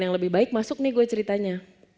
yang lebih baik masuk nih gue ceritanya